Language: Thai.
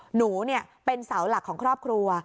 หนูเนี่ยเป็นสาวหลักของครอบครัว